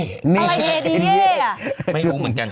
อะไรเฮดีเย่ไม่รู้เหมือนกัน